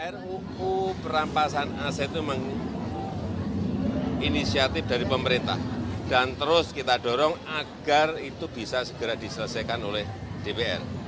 ruu perampasan aset itu menginisiatif dari pemerintah dan terus kita dorong agar itu bisa segera diselesaikan oleh dpr